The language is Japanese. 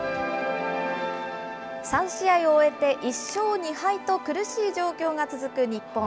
３試合を終えて、１勝２敗と苦しい状況が続く日本。